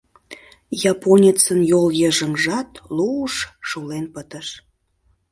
Японецын йолйыжыҥжат луж-ж шулен пытыш.